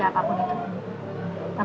tapi saya tidak bisa bekerja lagi